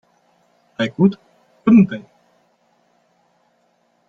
I could, couldn't I?